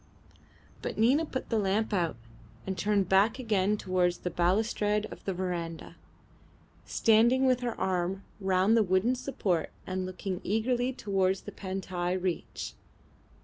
But Nina put the lamp out and turned back again towards the balustrade of the verandah, standing with her arm round the wooden support and looking eagerly towards the Pantai reach.